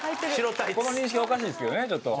この認識はおかしいですけどねちょっと。